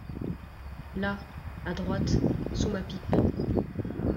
Là… à droite… sous ma pipe.